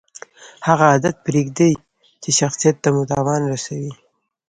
هغه عادت پرېږدئ، چي شخصت ته مو تاوان رسوي.